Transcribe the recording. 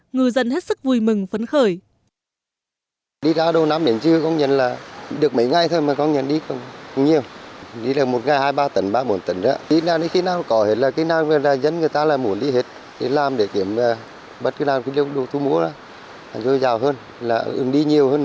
ngư dân hết sức vui mừng phấn khởi